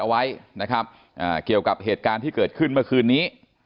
เอาไว้นะครับเกี่ยวกับเหตุการณ์ที่เกิดขึ้นเมื่อคืนนี้